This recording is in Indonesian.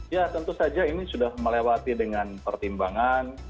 ya tentu saja ini sudah melewati dengan pertimbangan